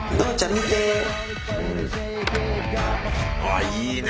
あいいね。